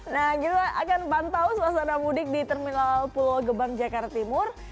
nah kita akan pantau suasana mudik di terminal pulau gebang jakarta timur